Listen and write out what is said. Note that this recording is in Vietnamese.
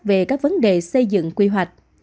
về các vấn đề xây dựng quy hoạch